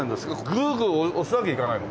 グーグー押すわけにいかないの？